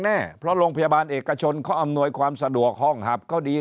แน่เพราะโรงพยาบาลเอกชนเขาอำนวยความสะดวกห้องหับเขาดี